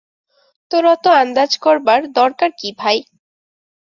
তোর অত আন্দাজ করবার দরকার কী ভাই?